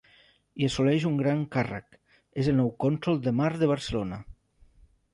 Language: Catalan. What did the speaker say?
I assoleix un gran càrrec: és el nou cònsol de mar de Barcelona.